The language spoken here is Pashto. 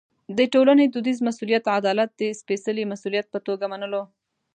د ټولنې دودیز مسوولیت عدالت د سپېڅلي مسوولیت په توګه منلو.